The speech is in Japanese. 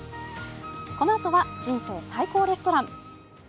このあとは「人生最高レストラン」。